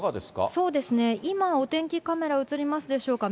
そうですね、今、お天気カメラ映りますでしょうか。